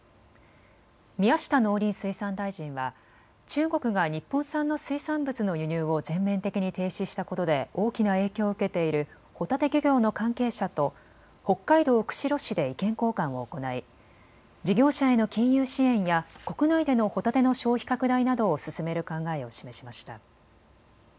宮下農林水産大臣は中国が日本産の水産物の輸入を全面的に停止したことで大きな影響を受けているホタテ漁業の関係者と北海道釧路市で意見交換を行い事業者への金融支援や国内でのホタテの消費拡大などを進める考えを示しました。